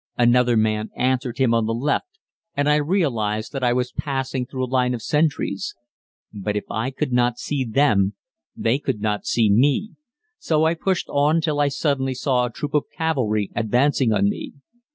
Another man answered him on the left, and I realized that I was passing through a line of sentries. But if I could not see them they could not see me, so I pushed on till I suddenly saw a troop of cavalry advancing on me.